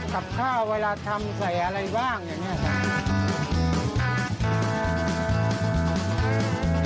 กับข้าวเวลาทำใส่อะไรบ้างอย่างนี้ครับ